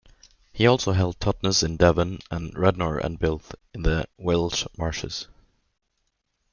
He also held Totnes in Devon and Radnor and Builth in the Welsh Marches.